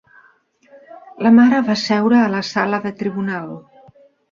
La mare va seure a la sala de tribunal.